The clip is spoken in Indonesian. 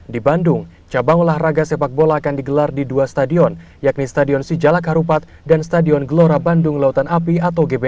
di bandung cabang olahraga sepak bola akan digelar di dua stadion yakni stadion sijalak harupat dan stadion gelora bandung lautan api atau gbk